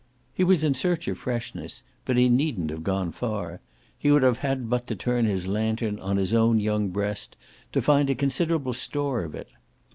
He was in search of freshness, but he needn't have gone far: he would have had but to turn his lantern on his own young breast to find a considerable store of it.